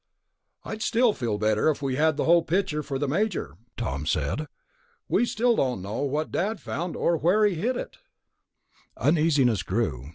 "I'd still feel better if we had the whole picture for the Major," Tom said. "We still don't know what Dad found, or where he hid it...." The uneasiness grew.